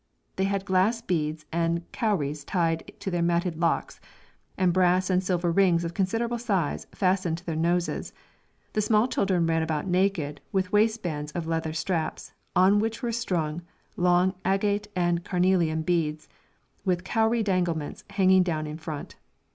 They had glass beads and cowries tied to their matted locks, and brass and silver rings of considerable size fastened to their noses; the small children ran about naked, with waistbands of leather straps, on which were strung long agate and carnelian beads, with cowrie danglements hanging down in front.